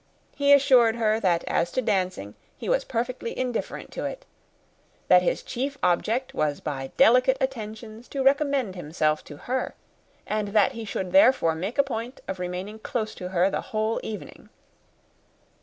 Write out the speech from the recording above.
He assured her that, as to dancing, he was perfectly indifferent to it; that his chief object was, by delicate attentions, to recommend himself to her; and that he should therefore make a point of remaining close to her the whole evening.